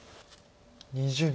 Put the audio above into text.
２０秒。